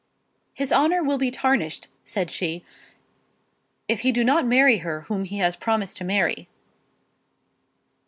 "His honour will be tarnished," said she, "if he do not marry her whom he has promised to marry.